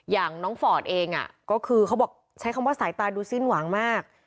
อย่างน้องฟอร์ดเองก็คือเขาบอกใช้คำว่าสายตาดูสิ้นหวังมาก